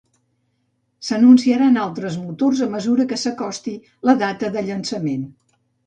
S'anunciaran altres motors a mesura que s'acosti la data de llançament.